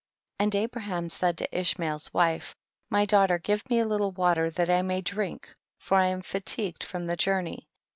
And Abraham said to Ish mael's wife, my daughter give me a little water that I may drink, for I am fatigued from the journey.